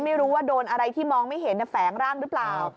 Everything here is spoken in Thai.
ไม่รู้ว่าโดนอะไรที่มองไม่เห็นแฝงร่างหรือเปล่า